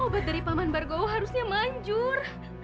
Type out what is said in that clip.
obat dari paman margowo harusnya manjur